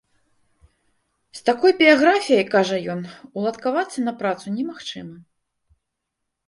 З такой біяграфіяй, кажа ён, уладкавацца на працу немагчыма.